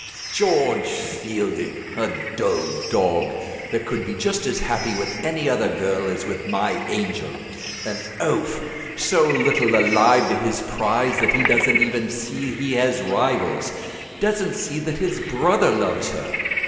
"George Fielding! a dull dog, that could be just as happy with any other girl as with my angel. An oaf, so little alive to his prize that he doesn't even see he has rivals; doesn't see that his brother loves her.